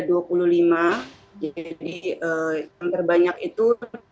jadi yang terbanyak itu